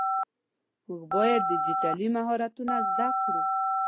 مونږ باید ډيجيټلي مهارتونه زده کړو.